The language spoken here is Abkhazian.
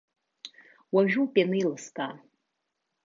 Уажәоуп ианеилыскаа.